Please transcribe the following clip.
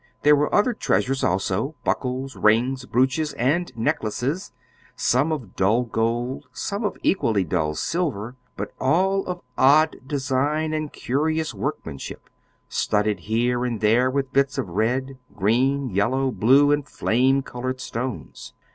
There were other treasures, also: buckles, rings, brooches, and necklaces, some of dull gold, some of equally dull silver; but all of odd design and curious workmanship, studded here and there with bits of red, green, yellow, blue, and flame colored stones.